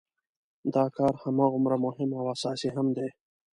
دا کار هماغومره مهم او اساسي هم دی.